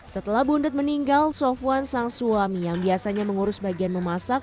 setelah bundet meninggal sofwan sang suami yang biasanya mengurus bagian memasak